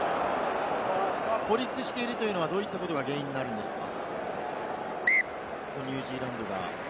孤立しているというのは、どういったことが原因になるんですか？